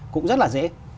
cũng rất là dễ